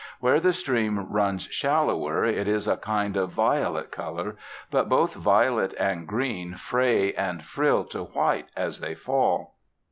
Where the stream runs shallower it is a kind of violet colour, but both violet and green fray and frill to white as they fall.